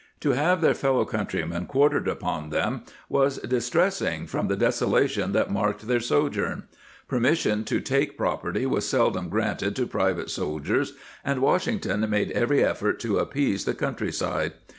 To have their fellow countrymen quar tered upon them was distressing from the desola tion that marked their sojourn.*^ Permission to take property was seldom granted to private sol diers, and Washington made every effort to ap pease the country side.